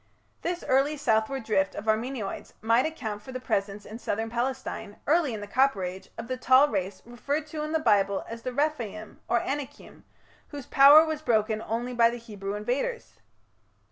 This early southward drift of Armenoids might account for the presence in southern Palestine, early in the Copper Age, of the tall race referred to in the Bible as the Rephaim or Anakim, "whose power was broken only by the Hebrew invaders".